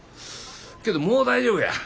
けどもう大丈夫や。